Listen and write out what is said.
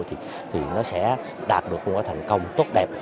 thì nó sẽ đạt được một quốc hội thành công tốt đẹp